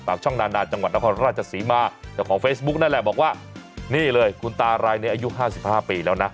ต่างช่องนานาจังหวัดนครราชสีมาแต่ของเฟซบุ๊กนั่นแหละบอกว่านี่เลยคุณตารายในอายุ๕๕ปีแล้วนะ